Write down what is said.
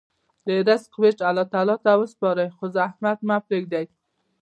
د رزق ویش الله تعالی ته وسپارئ، خو زحمت مه پرېږدئ.